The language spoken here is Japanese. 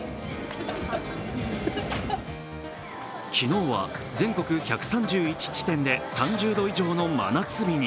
昨日は全国１３１地点で３０度以上の真夏日に。